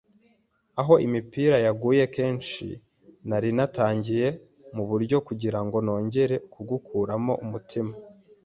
aho imipira yaguye kenshi, nari natangiye, muburyo, kugirango nongere gukuramo umutima,